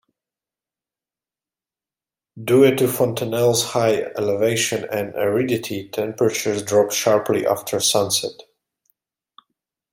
Due to Fontenelle's high elevation and aridity, temperatures drop sharply after sunset.